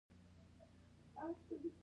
احمد وويل: په زور یې وخوره.